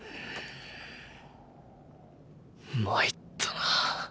まいったな。